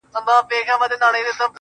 • څه یې مسجد دی څه یې آذان دی.